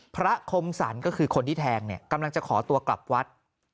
คมสรรก็คือคนที่แทงเนี่ยกำลังจะขอตัวกลับวัด